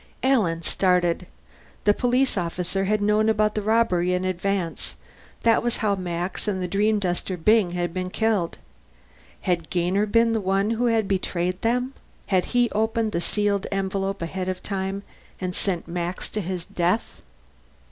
Alan started. The police had known about the robbery in advance that was how Max and the dreamduster Byng had been killed. Had Gainer been the one who had betrayed them? Had he opened the sealed envelope ahead of time, and sent Max to his death?